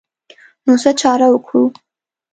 نو څه چاره وکړو.